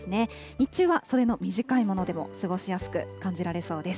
日中は袖の短いものでも過ごしやすく感じられそうです。